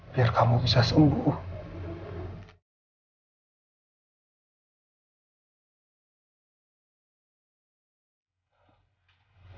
biar kamu bisa sembuh